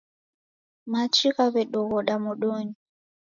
Machi ghawedoghoda modonyi